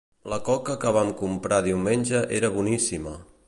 La coca que vam comprar diumenge era boníssima.